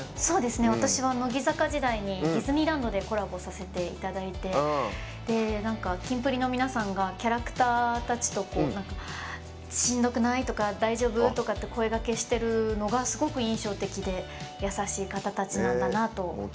私は乃木坂時代にディズニーランドでコラボさせていただいてキンプリの皆さんがキャラクターたちと「しんどくない？」とか「大丈夫？」とかって声がけしているのがすごく印象的で優しい方たちなんだなと思いました。